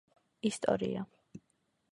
ისტორია